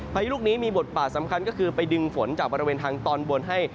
พายุลูกนี้มีบทบาทสำคัญก็คือไปดึงฝนจากบริเวณทางตอนบนให้